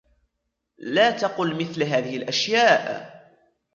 لا تَقُل مِثل هذهِ الأشياء.